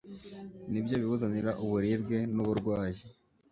ni byo biwuzanira uburibwe nuburwayi